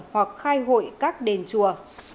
hoặc khai hội các đền chùa